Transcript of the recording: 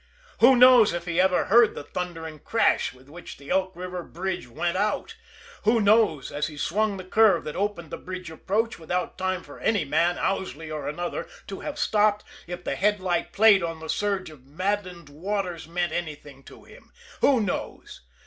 Who knows if he ever heard the thundering crash with which the Elk River bridge went out? Who knows, as he swung the curve that opened the bridge approach, without time for any man, Owsley or another, to have stopped, if the headlight playing on the surge of maddened waters meant anything to him? Who knows?